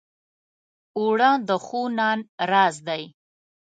اوړه د ښو نان راز دی